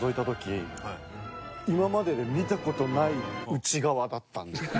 今までで見た事ない内側だったんですよ。